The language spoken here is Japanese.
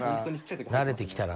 慣れてきたな